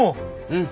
うん。